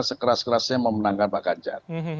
sekeras kerasnya memenangkan pak ganjar